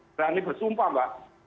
berani bersumpah mbak